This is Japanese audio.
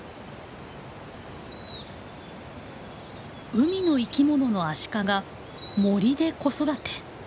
海の生きもののアシカが森で子育て。